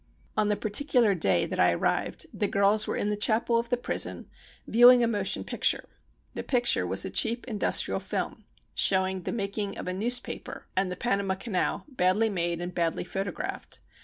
On the particular day that I arrived, the girls were in the chapel of prison viewing a motion picture. The picture was a cheap industrial film, showing! the making of a newspaper and Panama Canal, badly made and badly photographed.